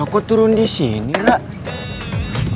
kok turun disini rara